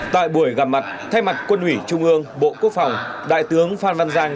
tại buổi gặp mặt thay mặt quân ủy trung ương bộ quốc phòng đại tướng phan văn giang